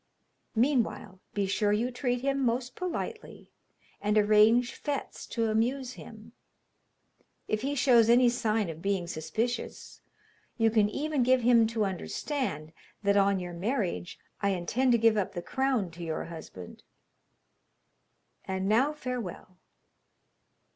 Meanwhile, be sure you treat him most politely, and arrange fêtes to amuse him. If he shows any sign of being suspicious, you can even give him to understand that, on your marriage, I intend to give up the crown to your husband. And now farewell!'